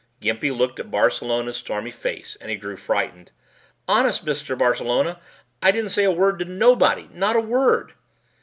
Gimpy looked at Barcelona's stormy face and he grew frightened. "Honest, Mr. Barcelona, I didn't say a word to nobody. Not a word."